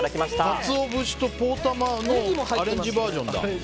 カツオ節とポーたまのアレンジバージョンだ。